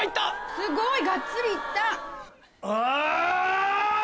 すごいがっつり行った。